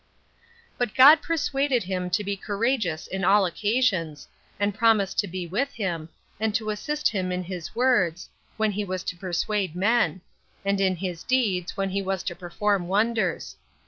3. But God persuaded him to be courageous on all occasions, and promised to be with him, and to assist him in his words, when he was to persuade men; and in his deeds, when he was to perform wonders.